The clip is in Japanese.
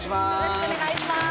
お願いします